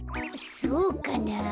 そうかなあ。